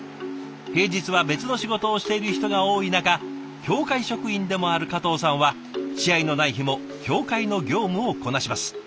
平日は別の仕事をしている人が多い中協会職員でもある加藤さんは試合のない日も協会の業務をこなします。